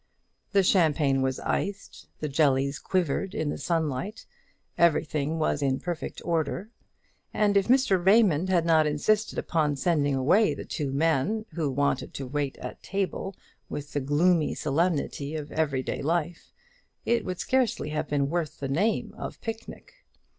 The champagne was iced, the jellies quivered in the sunlight, everything was in perfect order; and if Mr. Raymond had not insisted upon sending away the two men, who wanted to wait at table, with the gloomy solemnity of every day life, it would scarcely have been worthy the name of picnic.